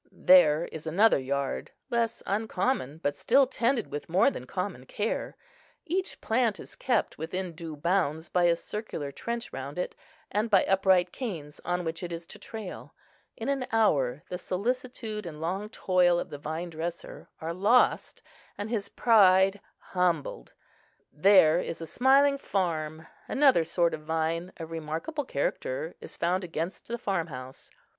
There is another yard, less uncommon, but still tended with more than common care; each plant is kept within due bounds by a circular trench round it, and by upright canes on which it is to trail; in an hour the solicitude and long toil of the vine dresser are lost, and his pride humbled. There is a smiling farm; another sort of vine, of remarkable character, is found against the farm house.